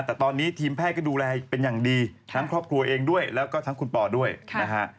แต่ตอนนี้ทีมแพทย์ก็ดูแลเป็นอย่างดีทั้งครอบครัวเองด้วยแล้วก็ทั้งคุณปอด้วยนะฮะ